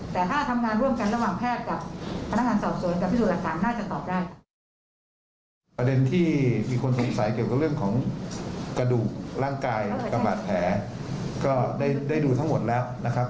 แต่ถ้าทำงานร่วมกันระหว่างแพทย์กับ